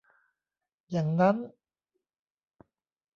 อย่างนั้น